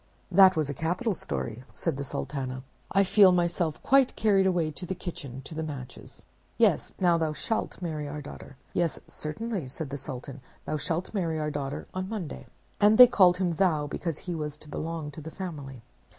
"That was a capital story," said the Sultana. "I feel myself quite carried away to the kitchen, to the Matches. Yes, now thou shalt marry our daughter." "Yes, certainly," said the Sultan, "thou shalt marry our daughter on Monday." And they called him thou, because he was to belong to the family.